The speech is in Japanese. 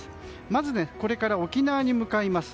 まず、これから沖縄に向かいます。